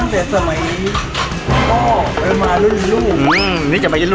ป้ามันกินหนูเด็ดแล้ว